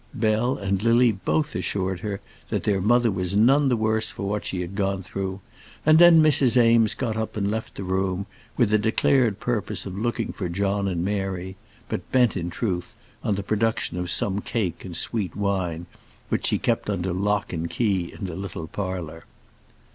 Bell and Lily both assured her that their mother was none the worse for what she had gone through; and then Mrs. Eames got up and left the room, with the declared purpose of looking for John and Mary, but bent, in truth, on the production of some cake and sweet wine which she kept under lock and key in the little parlour.